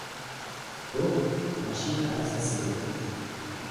Bu, mashina arizasi bo‘ldi.